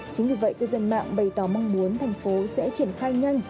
chính vì vậy cư dân mạng bày tỏ mong muốn thành phố sẽ triển khai nhanh